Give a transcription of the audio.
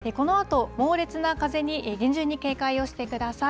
沖縄ではこのあと、猛烈な風に厳重に警戒をしてください。